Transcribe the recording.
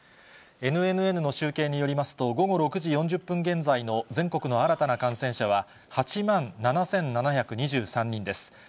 ＮＮＮの集計によりますと、午後６時４０分現在の全国の新たな感染者は８万７７２３人です。